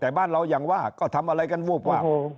แต่บ้านเราอย่างว่าก็ทำอะไรกันวูบวาบ